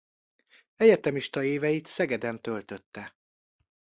Egyetemista éveit Szegeden töltötte.